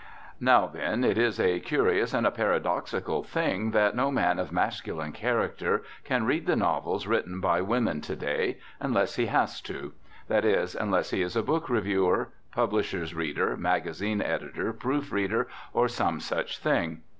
Now, then, it is a curious and a paradoxical thing that no man of masculine character can read the novels written by women to day, unless he has to; that is, unless he is a book reviewer, publisher's reader, magazine editor, proofreader, or some such thing.